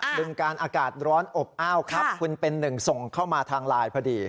บึงการอากาศร้อนอบอ้าวครับคุณเป็นหนึ่งส่งเข้ามาทางไลน์พอดี